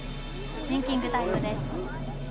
シンキングタイムです